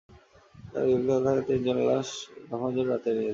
তাঁরা খিলক্ষেত থানা থেকে তিনজনের লাশ দাফনের জন্য রাতেই নিয়ে যান।